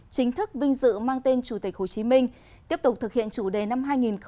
chính thức vinh dự mang tên chủ tịch hồ chí minh tiếp tục thực hiện chủ đề năm hai nghìn hai mươi